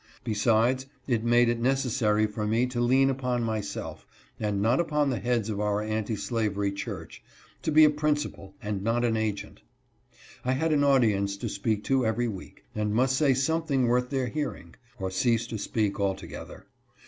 Besides, it made it neces sary for me to lean upon myself, and not upon the heads of our Anti Slavery church, to be a principal, and not an agent. I had an audience to speak to every week, and must say something worth their hearing, or cease to speak altogether.